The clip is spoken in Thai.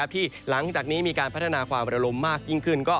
ที่หลังจากนี้มีการพัฒนาความระลมมากยิ่งขึ้น